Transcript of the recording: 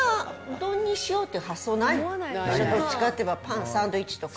どっちかっていえばパン、サンドイッチとか。